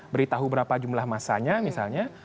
beritahu berapa jumlah masanya misalnya